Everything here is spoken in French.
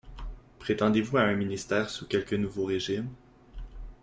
Prétendez-vous à un ministère sous quelque nouveau régime?